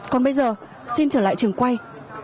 còn bây giờ xin trở lại trường quay